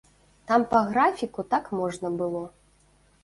Там па графіку так можна было.